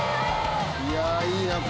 「いやいいなこれ」